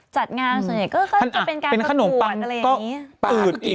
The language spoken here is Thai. จัดงานส่วนใหก็เกิดเป็นการปรับปวดอะไรอย่างนี้